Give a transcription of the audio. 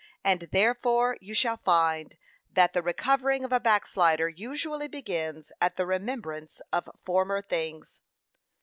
And therefore you shall find, that the recovering of a backslider usually begins at the remembrance of former things.